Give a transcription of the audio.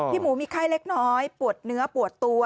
หมูมีไข้เล็กน้อยปวดเนื้อปวดตัว